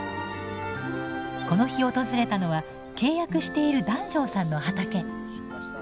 この日訪れたのは契約している檀上さんの畑。